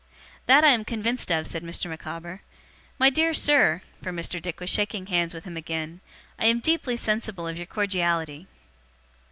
'That I am convinced of,' said Mr. Micawber. 'My dear sir!' for Mr. Dick was shaking hands with him again; 'I am deeply sensible of your cordiality!